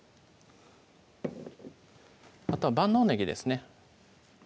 あとは万能ねぎですね